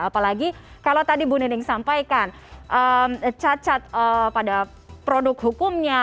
apalagi kalau tadi bu neneng sampaikan cacat pada produk hukumnya